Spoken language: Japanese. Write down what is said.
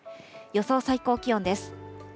予想最高気温です。